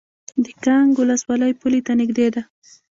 د کانګ ولسوالۍ پولې ته نږدې ده